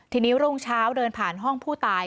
ทีนี้รุ่งเช้าเดินผ่านห้องผู้ตาย